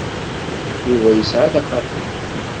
Yuba yesɛa taxatemt.